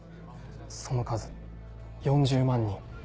その数４０万人。